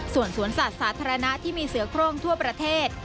ส่วนสวนสัตว์สาธารณะที่มีเสือโครงทั่วประเทศ